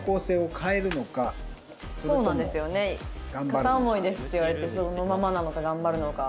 片思いですって言われてそのままなのか頑張るのか。